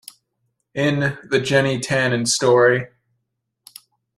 In "The Jenny Tannen Story".